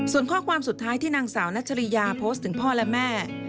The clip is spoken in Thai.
ส่วนข้อความสุดท้ายที่นางสาวนัชริยาโพสต์ถึงพ่อและแม่